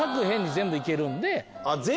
全部行けるんだ。